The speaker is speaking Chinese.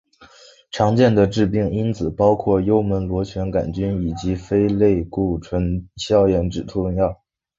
常见的致病因子包括幽门螺旋杆菌以及非类固醇消炎止痛药。